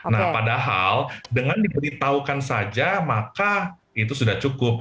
nah padahal dengan diberitahukan saja maka itu sudah cukup